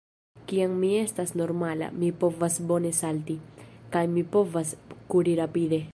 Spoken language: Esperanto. Kiam mi estas normala, mi povas bone salti, kaj mi povas kuri rapide.